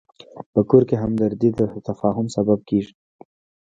په کور کې همدردي د تفاهم سبب کېږي.